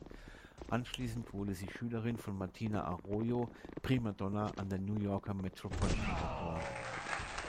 Anschließend wurde sie Schülerin von Martina Arroyo, Primadonna an der New Yorker Metropolitan Opera.